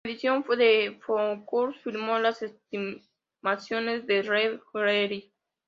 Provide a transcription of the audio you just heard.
La medición de Foucault confirmó las estimaciones de Le Verrier.